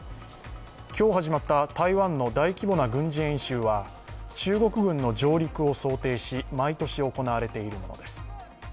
今日始まった台湾の大規模な軍事演習は中国軍の上陸を想定し毎年行われているものです。